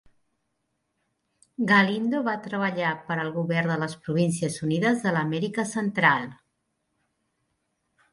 Galindo va treballar per al Govern de les Províncies Unides de l'Amèrica Central.